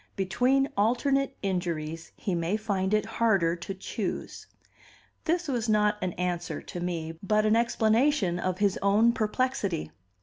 "Between alternate injuries he may find it harder to choose." This was not an answer to me, but an explanation of his own perplexity.